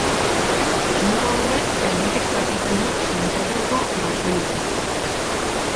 Muga horrek erditik zatitzen du San Pedroko baseliza.